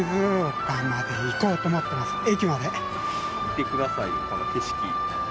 見てくださいよこの景色。